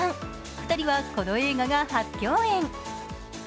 ２人はこの映画が初共演。